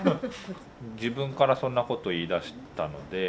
自分からそんなこと言いだしたので。